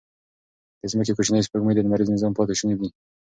د ځمکې کوچنۍ سپوږمۍ د لمریز نظام پاتې شوني دي.